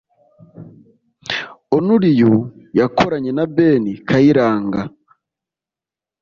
Only You yakoranye na Ben Kayiranga